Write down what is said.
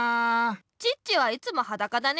チッチはいつもはだかだね。